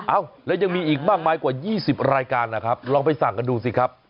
เอ้าแล้วยังมีอีกมากมายกว่า๒๐รายการนะครับลองไปสั่งกันดูสิครับ